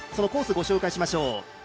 コースをご紹介しましょう。